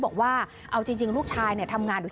บอกว่าเอาจริงลูกชายเนี่ย